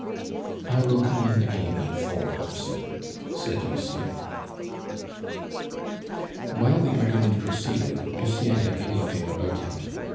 "I will come in again at four, sir," said Lucien. While the argument proceeded, Lucien had been looking about him.